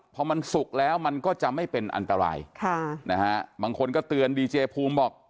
พอมันสุกแล้วมันก็จะไม่เป็นอันตรายค่ะนะฮะบางคนก็เตือนดีเจภูมิบอก